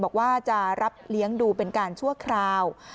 บอกว่าจะรับเลี้ยงดูเป็นการชั่วคราว